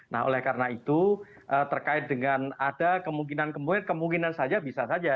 nah oleh karena itu terkait dengan ada kemungkinan kemungkinan saja bisa saja